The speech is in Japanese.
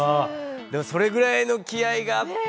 でもそれぐらいの気合いがあって。